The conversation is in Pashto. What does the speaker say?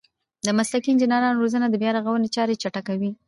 د مسلکي انجنیرانو روزنه د بیارغونې چارې چټکوي.